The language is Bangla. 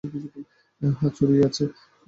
হ্যাঁ, ছুড়ি আছে।